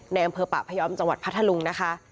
ในอำเภอปะพยอมจังหวัดพัทธลุงนะคะ